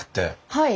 はい。